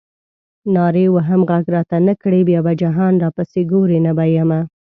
نارې وهم غږ راته نه کړې بیا به جهان راپسې ګورې نه به یمه.